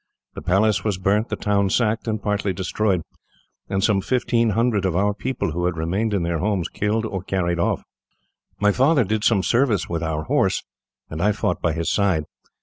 The palace was burnt, the town sacked and partly destroyed, and some fifteen hundred of our people, who had remained in their homes, killed or carried off. "My father did some service with our horse, and I fought by his side.